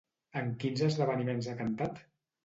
En quins esdeveniments ha cantat?